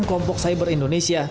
dan kompok cyber indonesia